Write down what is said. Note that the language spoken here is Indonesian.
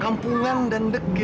kampungan dan degil